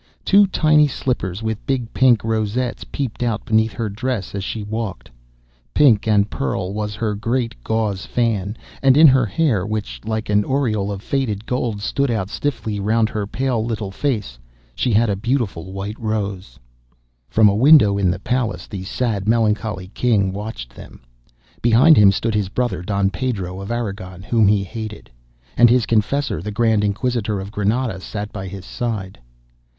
Two tiny slippers with big pink rosettes peeped out beneath her dress as she walked. Pink and pearl was her great gauze fan, and in her hair, which like an aureole of faded gold stood out stiffly round her pale little face, she had a beautiful white rose. From a window in the palace the sad melancholy King watched them. Behind him stood his brother, Don Pedro of Aragon, whom he hated, and his confessor, the Grand Inquisitor of Granada, sat by his side.